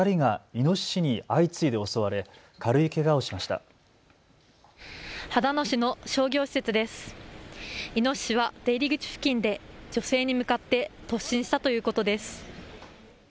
イノシシは出入り口付近で女性に向かって突進したということです。